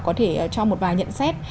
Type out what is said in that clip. có thể cho một vài nhận xét